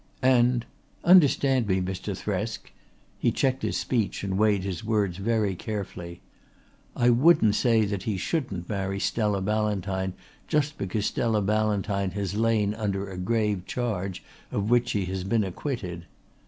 And understand me, Mr. Thresk" he checked his speech and weighed his words very carefully "I wouldn't say that he shouldn't marry Stella Ballantyne just because Stella Ballantyne has lain under a grave charge of which she has been acquitted.